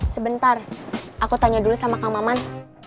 sebentar aku tanya dulu sama kang maman